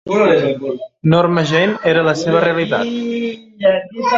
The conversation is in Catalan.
Norma Jean era la seva realitat.